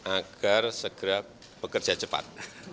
agar segera bekerja cepat